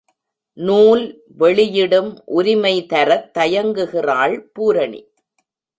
நூல் வெளியிடும் உரிமை தரத் தயங்குகிறாள் பூரணி.